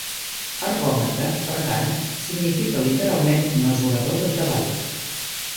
"Ergòmetre", per tant, significa literalment "mesurador de treball".